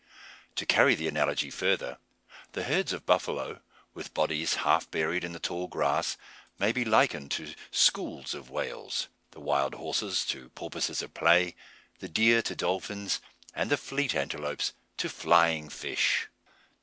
To carry the analogy further, the herds of buffalo, with bodies half buried in the tall grass, may be likened to "schools" of whales; the wild horses to porpoises at play; the deer to dolphins; and the fleet antelopes to flying fish.